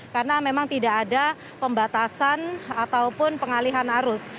karena memang tidak ada pembatasan ataupun pengalihan arus